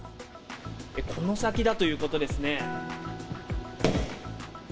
この先だということですね。